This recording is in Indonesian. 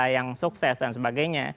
yang sukses dan sebagainya